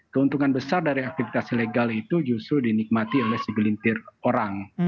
keuntungan besar dari aktivitas ilegal itu justru dinikmati oleh segelintir orang